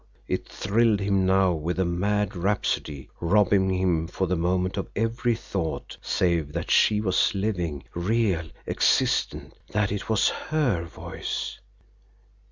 It thrilled him now with a mad rhapsody, robbing him for the moment of every thought save that she was living, real, existent that it was HER voice.